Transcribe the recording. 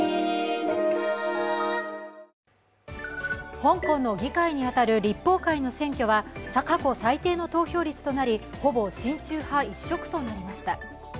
香港の議会に当たる立法会の選挙は過去最低の投票率となり、ほぼ親中派一色となりました。